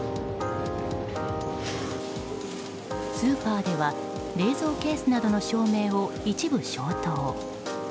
スーパーでは冷蔵ケースなどの照明を一部消灯。